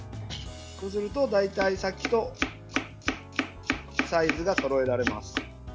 そうすると大体さっきとサイズがそろえられます。